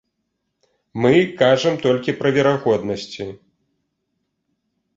Мы кажам толькі пра верагоднасці.